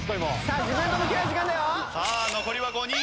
さあ残りは５人。